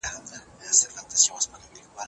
موږ بايد د ګډ ژوند اصول زده کړو.